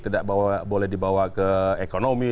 tidak boleh dibawa ke ekonomi